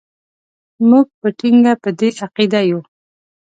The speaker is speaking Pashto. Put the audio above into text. موږ په ټینګه په دې عقیده یو.